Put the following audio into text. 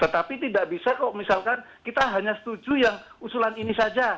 tetapi tidak bisa kok misalkan kita hanya setuju yang usulan ini saja